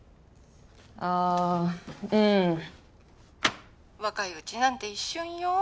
ああうん若いうちなんて一瞬よ